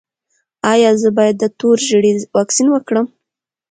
ایا زه باید د تور ژیړي واکسین وکړم؟